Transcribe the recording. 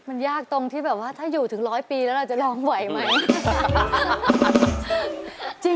มันยากตรงที่แบบว่าถ้าอยู่ถึง๑๐๐ปีแล้วเราจะร้องไหวไหม